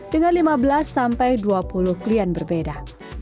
dengan lima belas sampai dua puluh klien berbeda